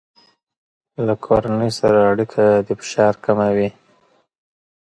له کورنۍ سره اړیکه د فشار کموي.